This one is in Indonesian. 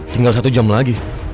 tinggal satu jam lagi